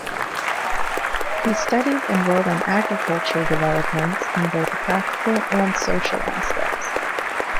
He studied and wrote on agriculture developments in both the practical and social aspects.